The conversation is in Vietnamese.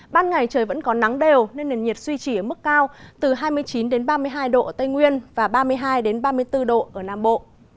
ban ngày trời vẫn có nắng đều nên nền nhiệt duy trì ở mức cao từ hai mươi chín ba mươi hai độ ở tây nguyên và ba mươi hai ba mươi bốn độ ở nam bộ